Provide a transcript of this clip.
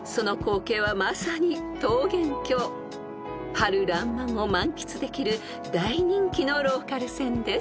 ［春らんまんを満喫できる大人気のローカル線です］